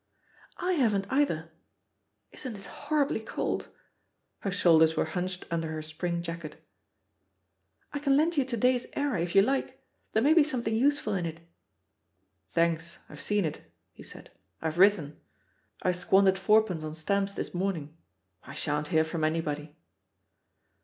"/ haven't, either. Isn't it horribly coldl" Her shoulders were hunched under her spring jacket. "I can lend you to day's Era if you like ; there may be something useful in it." "Thanks, I've seen it," he said; "I've written. I squandered fourpence on stamps this morning. I shan't hear from anybody."